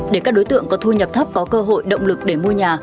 để các đối tượng có thu nhập thấp có cơ hội động lực để mua nhà